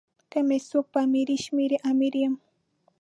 که می څوک په امیری شمېري امیر یم.